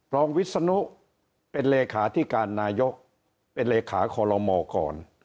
รองวิศนุเป็นเลขาที่การนายกเป็นเลขาคลมก่อน